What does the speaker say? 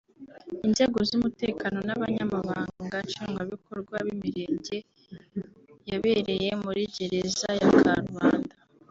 Inzego z’umutekano n’Abanyamabanga Nshingwabikorwa b’Imirenge yabereye muri Gereza ya Karubanda